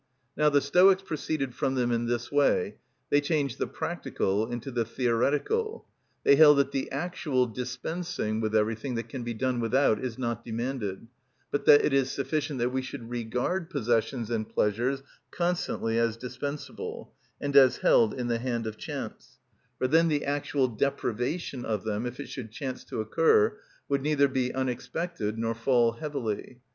Now the Stoics proceeded from them in this way—they changed the practical into the theoretical. They held that the actual dispensing with everything that can be done without is not demanded, but that it is sufficient that we should regard possessions and pleasures constantly as dispensable, and as held in the hand of chance; for then the actual deprivation of them, if it should chance to occur, would neither be unexpected nor fall heavily.